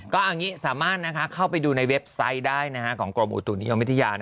ก็เอางี้สามารถเข้าไปดูในเว็บไซต์ได้ของกรมอุตุนิยมวิทยา